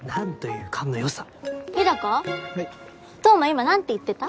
今何て言ってた？